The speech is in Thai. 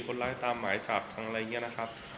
คนร้ายตามหมายจับทั้งอะไรอย่างเงี้ยนะครับ